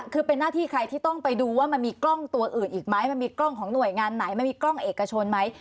คือเป็นหน้าที่ใครที่ต้องไปดูว่ามันมีกล้องตัวอื่นอีกไหมมันมีกล้องของหน่วยงานไหนมันมีกล้องเอกชนไหม